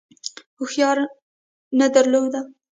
هوښیاري نه درلوده.